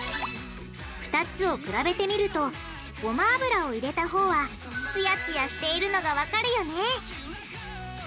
２つを比べてみるとごま油を入れたほうはツヤツヤしているのがわかるよね！